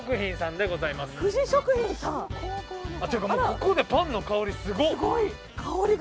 ここでパンの香りすごっ！